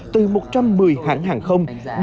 từ một trăm một mươi hãng hàng không